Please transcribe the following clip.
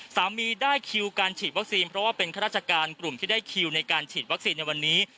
สามีได้คิวการฉีดวัคซีนเพราะว่าเป็นข้าราชการกลุ่มที่ได้คิวในการฉีดวัคซีนในวันนี้